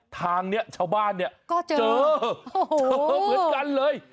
ทางนี้ชาวบ้านเหมือนกันเลย